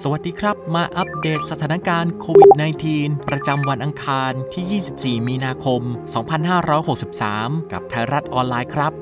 สวัสดีครับมาอัปเดตสถานการณ์โควิด๑๙ประจำวันอังคารที่๒๔มีนาคม๒๕๖๓กับไทยรัฐออนไลน์ครับ